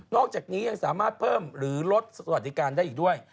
อกจากนี้ยังสามารถเพิ่มหรือลดสวัสดิการได้อีกด้วย